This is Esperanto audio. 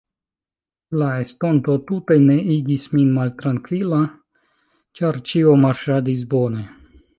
La estonto tute ne igis min maltrankvila, ĉar ĉio marŝadis bone.